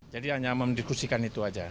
jadi hanya mendiskusikan itu saja